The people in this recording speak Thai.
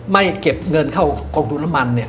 ไม่เก็บเงินเข้ากรงดุนมัน